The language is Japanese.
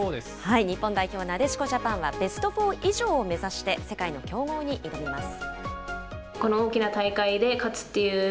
日本代表、なでしこジャパンは、ベストフォー以上を目指して、世界の強豪に挑みます。